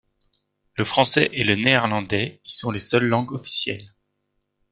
Le français et le néerlandais y sont les seules langues officielles.